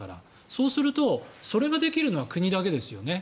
そうすると、それができるのは国だけですよね。